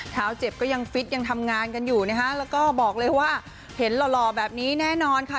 เท้าเจ็บก็ยังฟิตยังทำงานกันอยู่นะคะแล้วก็บอกเลยว่าเห็นหล่อแบบนี้แน่นอนค่ะ